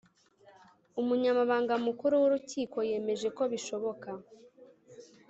Umunyamabanga mukuru w urukiko yemeje ko bishoboka